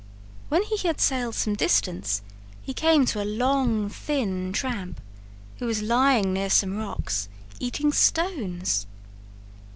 When he had sailed some distance he came to a long, thin tramp, who was lying near some rocks, eating stones.